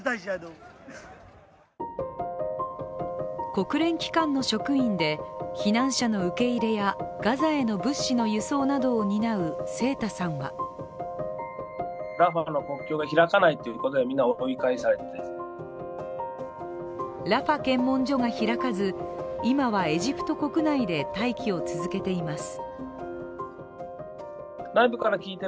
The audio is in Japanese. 国連機関の職員で避難者の受け入れやガザへの輸送物資を担う清田さんはラファ検問所が開かず今はエジプト国内で待機を続けています。